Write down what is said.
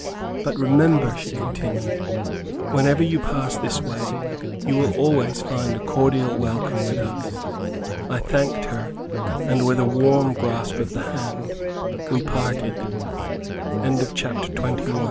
But remember," she continued, "whenever you pass this way, you will always find a cordial welcome with us." I thanked her, and with a warm grasp of the hand we parted. CHAPTER XXII. LONELY MIDNIGHT WALK.